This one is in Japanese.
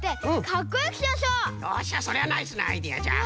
よっしゃそれはナイスなアイデアじゃ！